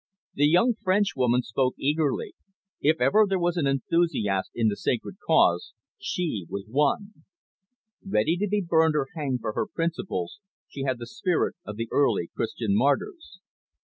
The young Frenchwoman spoke eagerly. If ever there was an enthusiast in the sacred cause, she was one. Ready to be burned or hanged for her principles, she had the spirit of the early Christian martyrs.